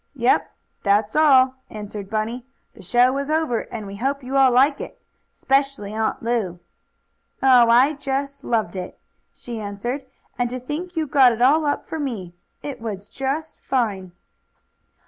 "Yep. That's all," answered Bunny. "The show is over, and we hope you all like it; 'specially Aunt Lu." "Oh, I just loved it," she answered. "And to think you got it all up for me! It was just fine!"